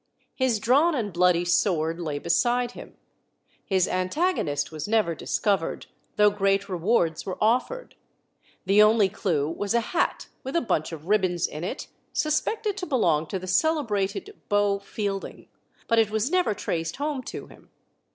His drawn and bloody sword lay beside him. His antagonist was never discovered, though great rewards were offered. The only clue was a hat with a bunch of ribbons in it, suspected to belong to the celebrated Beau Fielding, but it was never traced home to him.